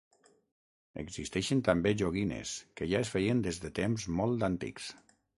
Existeixen també joguines, que ja es feien des de temps molt antics.